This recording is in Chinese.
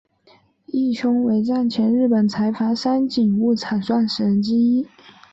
义兄为战前日本财阀三井物产创始人之一。